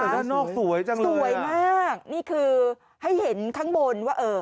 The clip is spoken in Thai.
แต่ด้านนอกสวยจังเลยสวยมากนี่คือให้เห็นข้างบนว่าเออ